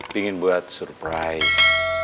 pingin buat surprise